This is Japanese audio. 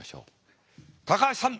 高橋さん